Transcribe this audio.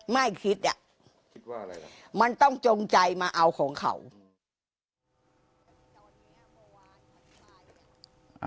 ไม่อ่ะไม่คิดอ่ะมันต้องจงใจมาเอาของเขา